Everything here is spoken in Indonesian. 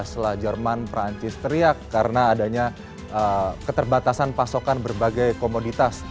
setelah jerman perancis teriak karena adanya keterbatasan pasokan berbagai komoditas